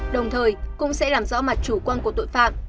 đồng thời cũng sẽ làm rõ mặt chủ quan của tội phạm